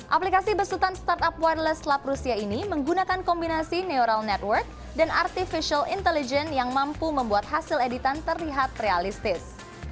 aplikasi besutan startup wideless lap rusia ini menggunakan kombinasi neural network dan artificial intelligence yang mampu membuat hasil editan terlihat realistis